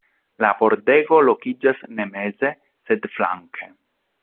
La pordego lokiĝas ne meze, sed flanke.